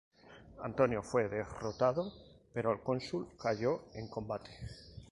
Antonio fue derrotado, pero el cónsul cayó en combate.